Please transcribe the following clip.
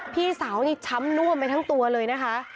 พี่สาวนี่ช้ำน่วมไปทั้งตัวเลยนะคะ